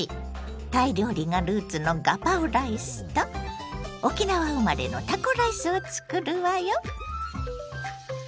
タイ料理がルーツのガパオライスと沖縄生まれのタコライスをつくるわよ。